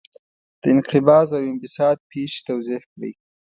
د انقباض او انبساط پېښې توضیح کړئ.